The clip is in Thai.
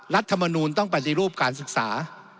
รัฐมนูลต้องปฏิรูปการศึกษา